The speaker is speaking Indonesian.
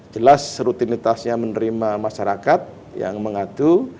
jelas rutinitasnya menerima masyarakat yang mengadu